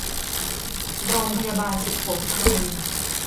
โรงพยาบาลสุโขทัย